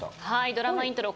ドラマイントロ